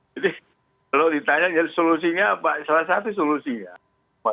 jadi kalau ditanya solusinya apa salah satu solusinya